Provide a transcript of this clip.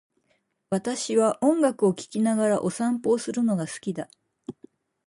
私は音楽を聴きながらお散歩をするのが好きだ。